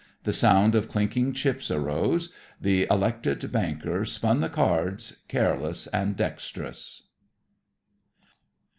The sound of clinking chips arose; the elected banker spun the cards, careless and dextrous."